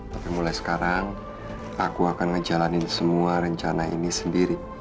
tapi mulai sekarang aku akan ngejalanin semua rencana ini sendiri